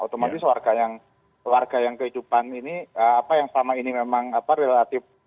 otomatis warga yang kehidupan ini apa yang selama ini memang relatif